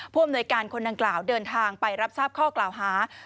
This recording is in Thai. อำนวยการคนดังกล่าวเดินทางไปรับทราบข้อกล่าวหา